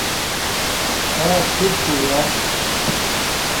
تھاتھیپ ہوݵا